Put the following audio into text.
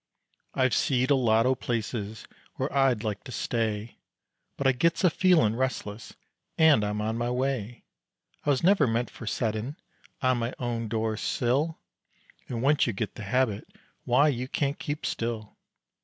I've seed a lot o' places where I'd like to stay, But I gets a feelin' restless and I'm on my way. I was never meant for settin' on my own door sill, And once you git the habit, why, you can't keep still.